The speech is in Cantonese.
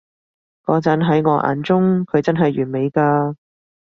嗰陣喺我眼中，佢真係完美㗎